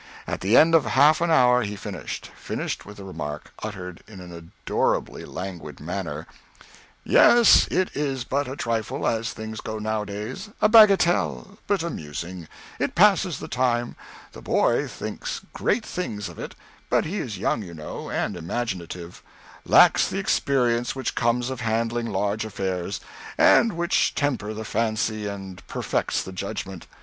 At the end of half an hour he finished; finished with the remark, uttered in an adorably languid manner: "Yes, it is but a trifle, as things go nowadays a bagatelle but amusing. It passes the time. The boy thinks great things of it, but he is young, you know, and imaginative; lacks the experience which comes of handling large affairs, and which tempers the fancy and perfects the judgment.